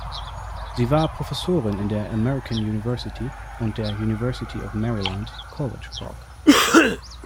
Sie war Professorin der American University und der University of Maryland, College Park.